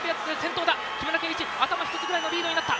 木村敬一頭一つぐらいのリードになった。